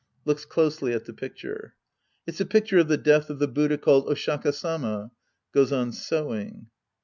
{Looks closely at the picture^ It's a picture of the death of the Buddha called Oshaka Sama. {Goes on sewing.)